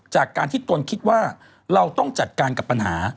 จากการที่ตนคิดว่าเราต้องจัดการกับปัญหา